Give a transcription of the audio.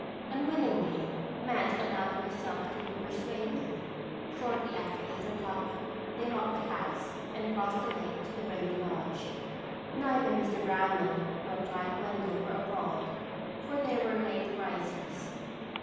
Unwillingly, Madge allowed herself to be persuaded. Shortly after eight o'clock, they locked the house and crossed the lake to the Brady lodge. Neither Mr. Brownell nor Clyde Wendell were abroad for they were late risers.